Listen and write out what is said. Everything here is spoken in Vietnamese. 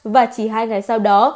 và chỉ hai ngày sau đó